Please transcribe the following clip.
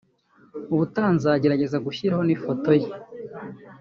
ubutaha nzagerageza gushyiraho n’ifoto ye